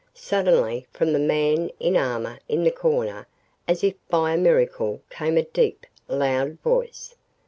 Suddenly, from the man in armor in the corner, as if by a miracle came a deep, loud voice.